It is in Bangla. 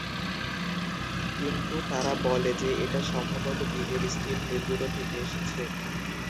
কিন্তু, তারা বলে যে, এটা সম্ভবত দ্বীপের স্টিল মিলগুলো থেকে এসেছে।